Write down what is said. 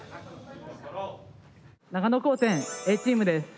長野高専Ａチームです。